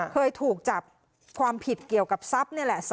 เคยถูกจับความผิดเกี่ยวกับทรัพย์นี่แหละ